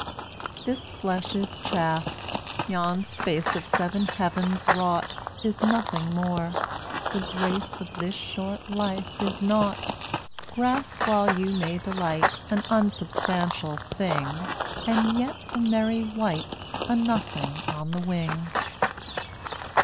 164 This flesh is chaff, yon space Of seven heavens wrought, Is nothing more, the grace Of this short life is nought. Grasp while you may Delight, An unsubstantial thing, And yet a merry wight — A Nothing on the wing.